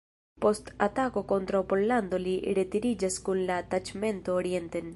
Post atako kontraŭ Pollando li retiriĝas kun la taĉmento orienten.